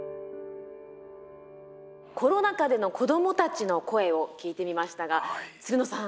コロナ禍での子どもたちの声を聞いてみましたがつるのさん